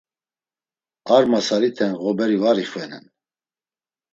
Ar masariten ğoberi var ixvenen!